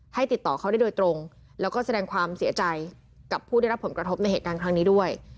ติดต่อเขาได้โดยตรงแล้วก็แสดงความเสียใจกับผู้ได้รับผลกระทบในเหตุการณ์ครั้งนี้ด้วย